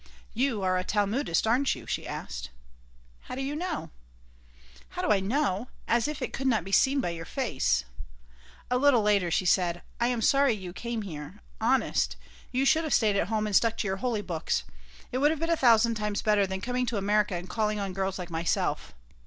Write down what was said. "You are a Talmudist, aren't you?" she asked. "How do you know?" "How do I know! As if it could not be seen by your face." A little later she said: "I am sorry you came here. Honest. You should have stayed at home and stuck to your holy books. It would have been a thousand times better than coming to America and calling on girls like myself.